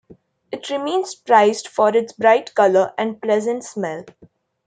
It remains prized for its bright color and pleasant smell.